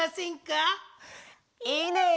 いいね！